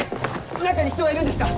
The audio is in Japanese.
中に人がいるんですか？